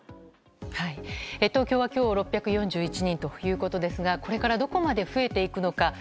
東京は今日６４１人ということですがこれからどこまで増えていくのか。